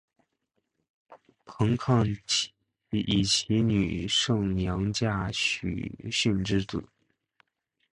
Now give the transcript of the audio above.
彭抗以其女胜娘嫁许逊之子。